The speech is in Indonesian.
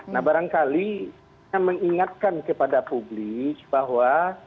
nah barangkali saya mengingatkan kepada publik bahwa